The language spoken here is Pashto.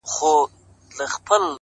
ناکامي د بلې هڅې خاموشه بلنه ده!